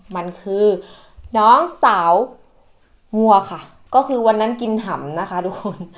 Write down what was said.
มันคือน้องสาวงัวค่ะก็คือวันนั้นกินหำนะคะทุกคน